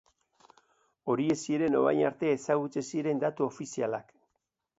Horiek ziren orain arte ezagutzen ziren datu ofizialak.